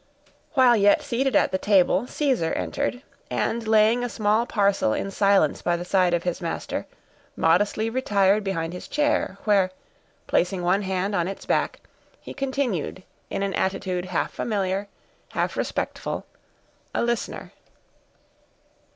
While yet seated at the table, Caesar entered, and laying a small parcel in silence by the side of his master, modestly retired behind his chair, where, placing one hand on its back, he continued in an attitude half familiar, half respectful, a listener.